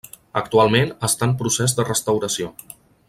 Actualment està en procés de restauració.